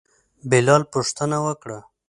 بلال پوښتنه وکړه.